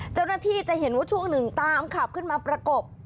เจ้าหน้าที่จะเห็นว่าช่วงหนึ่งตามขับขึ้นมาประกบ